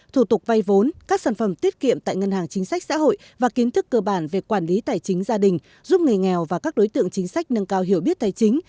thủ tục vay vốn các sản phẩm tiết kiệm tại ngân hàng chính sách xã hội và kiến thức cơ bản về quản lý tài chính gia đình giúp người nghèo và các đối tượng chính sách nâng cao hiểu biết tài chính